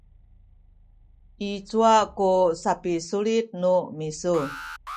i cuwa ku sapisulit nu misu?